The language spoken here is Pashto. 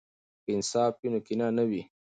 که انصاف وي، نو کینه نه وي.